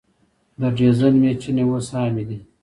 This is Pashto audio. د ډیزل میچنې اوس عامې دي.